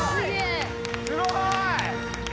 すごい！